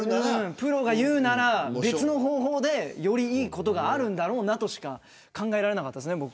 プロが言うなら別の方法でよりいいことがあるんだろうなとしか僕は考えられませんでしたね。